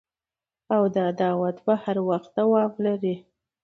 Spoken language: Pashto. او دا دعوت به هر وخت دوام لري